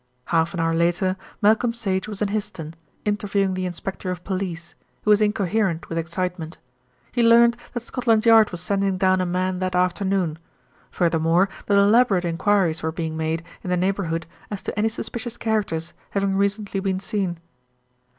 Half an hour later Malcolm Sage was in Hyston, interviewing the inspector of police, who was incoherent with excitement. He learned that Scotland Yard was sending down a man that afternoon, furthermore that elaborate enquiries were being made in the neighbourhood as to any suspicious characters having recently been seen.